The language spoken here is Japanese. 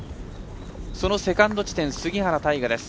そのセカンド地点、杉原大河です。